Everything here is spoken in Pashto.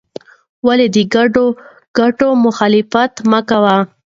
ولې د ګډو ګټو مخالفت مه کوې؟